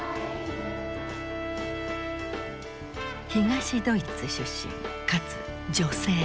東ドイツ出身かつ女性。